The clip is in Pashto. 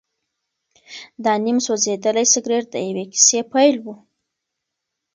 دا نیم سوځېدلی سګرټ د یوې کیسې پیل و.